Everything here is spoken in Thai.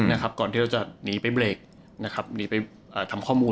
อาจจะโดนจับไปเล่นตรงกลางก็ได้ใครจะรู้